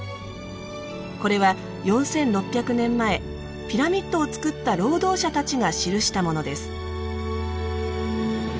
これは４６００年前ピラミッドをつくった労働者たちが記したものです。